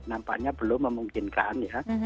nampaknya belum memungkinkan